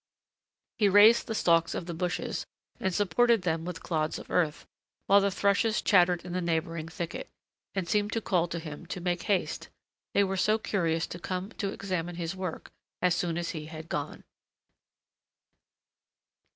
He raised the stalks of the bushes, and supported them with clods of earth, while the thrushes chattered in the neighboring thicket, and seemed to call to him to make haste, they were so curious to come to examine his work as soon as he had gone.